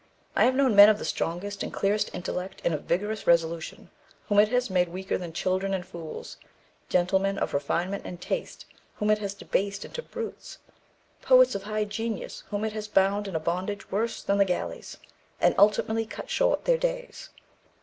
I have known men of the strongest and clearest intellect and of vigorous resolution, whom it has made weaker than children and fools gentlemen of refinement and taste whom it has debased into brutes poets of high genius whom it has bound in a bondage worse than the galleys, and ultimately cut short their days.